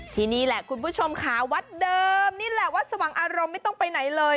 ที่นี่แหละคุณผู้ชมค่ะวัดเดิมนี่แหละวัดสว่างอารมณ์ไม่ต้องไปไหนเลย